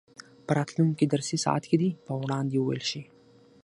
په راتلونکي درسي ساعت کې دې په وړاندې وویل شي.